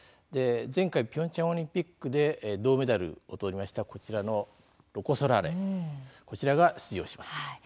前回ピョンチャンオリンピックで銅メダルを取りましたロコ・ソラーレが出場します。